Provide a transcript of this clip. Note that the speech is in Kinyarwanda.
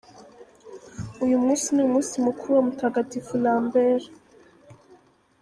Uyu munsi ni umunsi mukuru wa Mutagatifu Lambert.